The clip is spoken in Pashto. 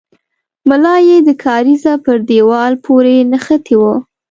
ملا يې د کارېزه پر دېوال پورې نښتې وه.